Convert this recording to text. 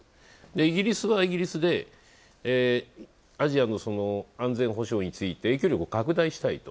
イギリスはイギリスでアジアの安全保障について影響力を拡大したいと。